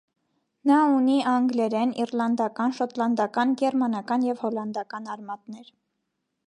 Նա ունի անգլերեն, իռլանդական, շոտլանդական, գերմանական և հոլլանդական արմատներ։